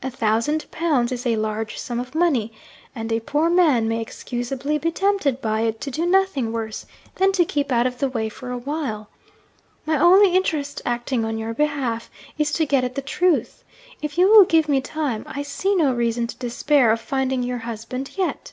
A thousand pounds is a large sum of money; and a poor man may excusably be tempted by it to do nothing worse than to keep out of the way for a while. My only interest, acting on your behalf, is to get at the truth. If you will give me time, I see no reason to despair of finding your husband yet.'